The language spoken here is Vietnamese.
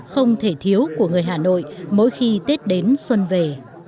không thể thiếu của người hà nội mỗi khi tết đến xuân về